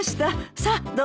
さあどうぞ。